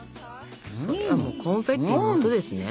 コンフェッティの音ですね。